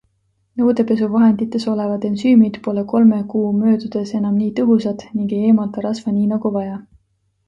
Nõudepesuvahendites olevad ensüümid pole kolme kuu möödudes enam nii tõhusad ning ei eemalda rasva nii nagu vaja.